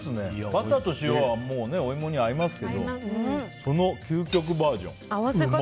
バターと塩はもうね、お芋に合いますけどその究極バージョン。